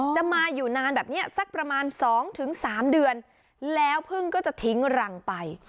จะมาอยู่นานแบบนี้สักประมาณ๒๓เดือนแล้วพึ่งก็จะทิ้งรังไป